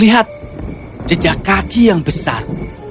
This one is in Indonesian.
lihat jejak kaki yang besar